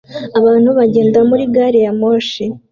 Abantu bagenda muri gari ya moshi